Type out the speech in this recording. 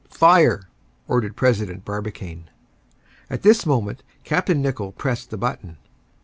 "Fire," ordered President Barbicane. At this moment Capt. Nicholl pressed the button.